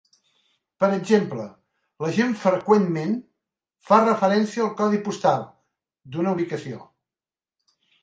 Per exemple, la gent freqüentment fa referència al "codi postal" d'una ubicació.